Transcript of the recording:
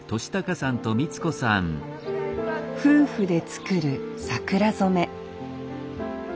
夫婦で作る桜染め